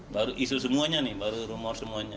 baru isu semuanya nih baru rumor semuanya